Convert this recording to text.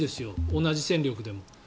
同じ戦力でも。